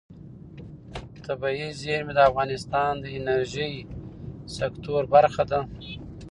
طبیعي زیرمې د افغانستان د انرژۍ سکتور برخه ده.